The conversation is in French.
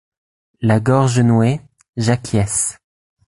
La gorge nouée, j’acquiesce.